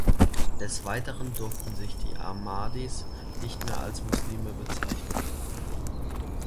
Des Weiteren durften sich die Ahmadis nicht mehr als Muslime bezeichnen.